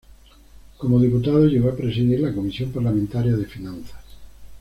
Como diputado, llegó a presidir la Comisión parlamentaria de Finanzas.